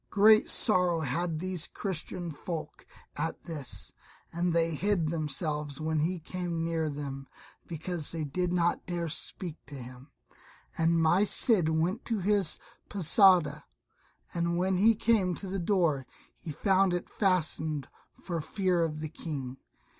Great sorrow had these Christian folk at this, and they hid themselves when he came near them because they did not dare speak to him; and my Cid went to his Posada, and when he came to the door he found it fastened, for fear of the King.